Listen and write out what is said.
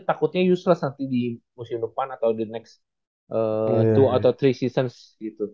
takutnya useless nanti di musim depan atau di next dua atau tiga seasons gitu